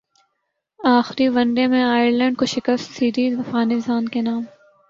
اخری one day میں Ireland کو شکستسیریز افغانستان کے نام